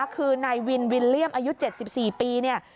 คือนายวิล์มอายุ๗๔ปี